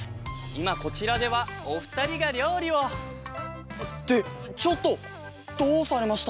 いまこちらではおふたりがりょうりをってちょっとどうされましたか？